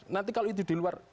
nanti kalau itu di luar